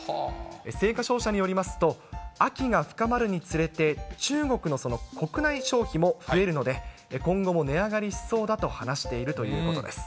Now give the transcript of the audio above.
青果商社によりますと、秋が深まるにつれて、中国の国内消費も増えるので、今後も値上がりしそうだと話しているということです。